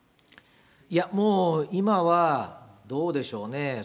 いや、もう、今はどうでしょうね。